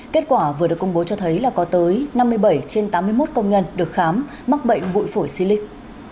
kết quả vừa được công bố cho thấy là có tới năm mươi bảy trên tám mươi một công nhân được khám mắc bệnh bụi phổi xy lích